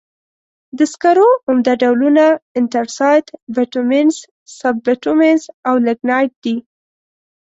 د سکرو عمده ډولونه انترسایت، بټومینس، سب بټومینس او لېګنایټ دي.